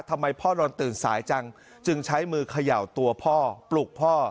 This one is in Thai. ทำไมพ่อนอนตื่นสายจังจึงใช้มือเขย่าตัวพ่อปลุกพ่อ